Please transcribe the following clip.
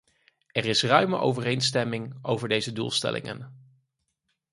Er is ruime overeenstemming over deze doelstellingen.